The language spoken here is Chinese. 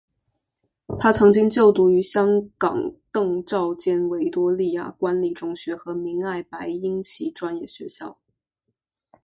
他曾经就读于香港邓肇坚维多利亚官立中学和明爱白英奇专业学校。